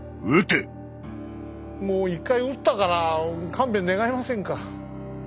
もう１回討ったから勘弁願えませんか。